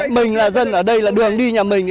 mình là dân ở đây là đường đi nhà mình